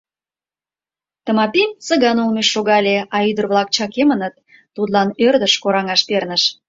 — Тымапи Цыган олмыш шогале, а ӱдыр-влак чакемынат, тудлан ӧрдыш кораҥаш перныш.